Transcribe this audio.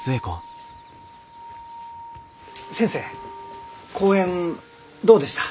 先生講演どうでした？